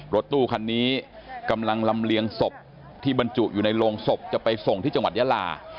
รถตู้คันนี้กำลังลำเลียงศพที่บรรจุอยู่ในโรงศพจะไปส่งที่จังหวัดยาลา